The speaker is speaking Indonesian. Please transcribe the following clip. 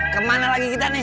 kemana lagi kita nih